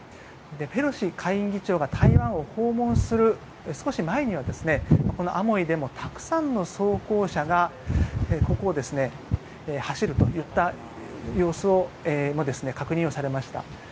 ペロシ下院議長が台湾を訪問する少し前にはこのアモイでもたくさんの装甲車がここを走るといった様子も確認をされました。